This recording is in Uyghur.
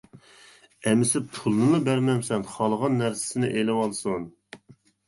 -ئەمىسە پۇلنىلا بەرمەمسەن خالىغان نەرسىسىنى ئىلىۋالسۇن.